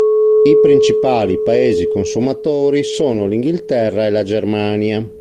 I principali Paesi consumatori sono l'Inghilterra e la Germania.